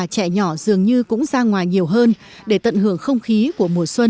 trong những trận lũ đó đúng không ạ